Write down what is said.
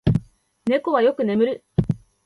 猫はよく眠る。